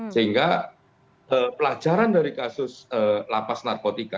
sehingga pelajaran dari kasus lapas narkotika